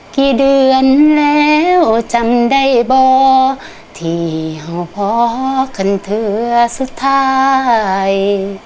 กี่เดือนแล้วจำได้บ่ที่เห่าพอกันเธอสุดท้าย